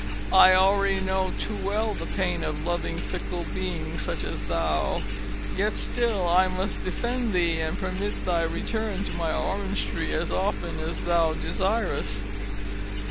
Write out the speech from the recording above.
I already know too well the pain of loving fickle beings such as thou. Yet still I must defend thee, and permit thy return to my orange tree as often as thou desirest."